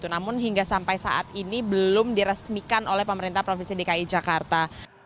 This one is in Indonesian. namun hingga sampai saat ini belum diresmikan oleh pemerintah provinsi dki jakarta